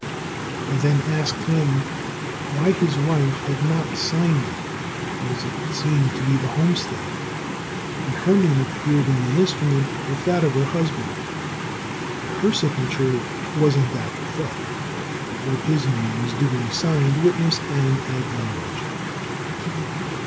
I then asked him why his wife had not signed it, as it seemed to be the homestead, and her name appeared in the instrument with that of her husband, but her signature wasn't at the foot, though his name was duly signed, witnessed and acknowledged.